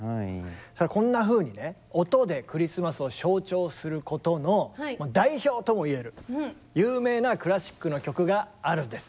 こんなふうにね音でクリスマスを象徴することの代表ともいえる有名なクラシックの曲があるんです。